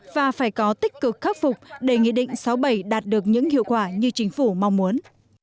và phải có tích cực khắc phục để nghị định sáu bảy đạt được những hiệu quả như chính phủ mong muốn